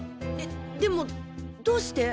ででもどうして？